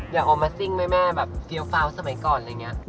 อยากออกมาซิ่งไหมแม่แบบเฟี้ยวฟาวสมัยก่อนอะไรอย่างนี้